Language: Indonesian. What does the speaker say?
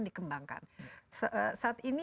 dikembangkan saat ini